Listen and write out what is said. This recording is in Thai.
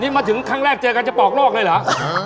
นี่มาถึงครั้งแรกเจอกันจะปอกลอกเลยหรออ่า